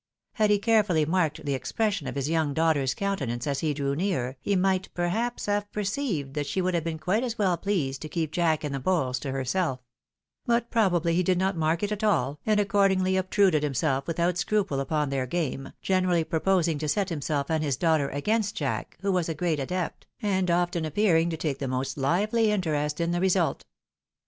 Had he carefully marked the expres sion of his young daughter's countenance as he drew near, he might perhaps have perceived that she would have been quite as well pleased to keep Jack and the bowls to herself; but probably he did not mark it at all, and accordingly obtruded himself without scruple upon their game, generally proposing to set himself and his daughter against Jack, who was a great adept, and often appearing to take the most lively interest in the result.